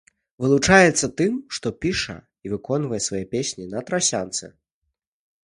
Вылучаецца тым, што піша і выконвае свае песні на трасянцы.